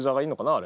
あれ。